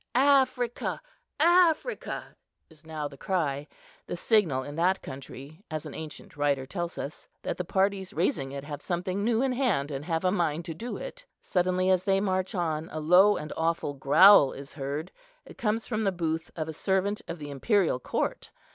"Africa, Africa!" is now the cry; the signal in that country, as an ancient writer tells us, that the parties raising it have something new in hand, and have a mind to do it. Suddenly, as they march on, a low and awful growl is heard. It comes from the booth of a servant of the imperial court.